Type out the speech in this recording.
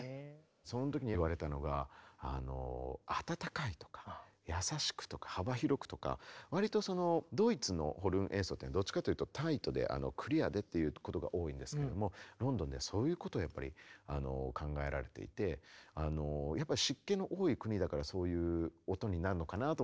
その時に言われたのがわりとドイツのホルン演奏ってどっちかというとタイトでクリアでっていうことが多いんですけどもロンドンではそういうことをやっぱり考えられていてやっぱり湿気の多い国だからそういう音になるのかなとも。